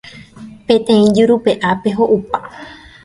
Peteĩ jurupe'ápe ho'upa.